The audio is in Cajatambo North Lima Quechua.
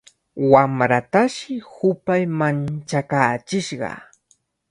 Wamratashi hupay manchakaachishqa.